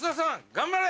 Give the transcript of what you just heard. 頑張れ！